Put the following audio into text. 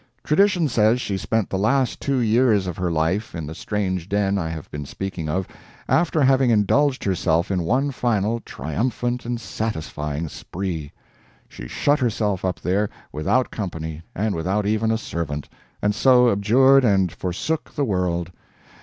Tradition says she spent the last two years of her life in the strange den I have been speaking of, after having indulged herself in one final, triumphant, and satisfying spree. She shut herself up there, without company, and without even a servant, and so abjured and forsook the world.